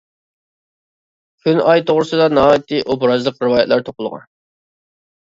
كۈن، ئاي توغرىسىدا ناھايىتى ئوبرازلىق رىۋايەتلەر توقۇلغان.